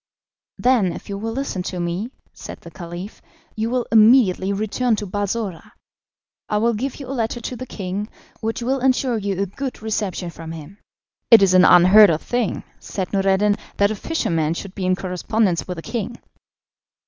"Then, if you will listen to me," said the Caliph, "you will immediately return to Balsora. I will give you a letter to the king, which will ensure you a good reception from him." "It is an unheard of thing," said Noureddin, "that a fisherman should be in correspondence with a king."